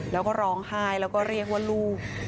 แล้วก็ร้องไห้แล้วก็เรียกว่าลูก